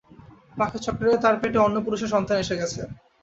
পাকেচক্রে তার পেটে অন্য পুরুষের সন্তান এসে গেছে।